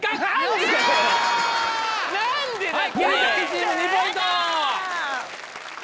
何でだよ！